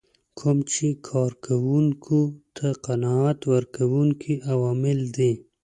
کوم چې کار کوونکو ته قناعت ورکوونکي عوامل دي.